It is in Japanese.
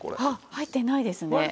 あっ入ってないですね。